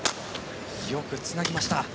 よくつなぎました。